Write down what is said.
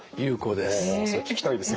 それは聞きたいです。